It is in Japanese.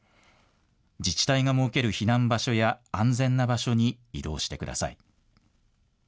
自治体が設ける避難場所や安全な場所に移動してください。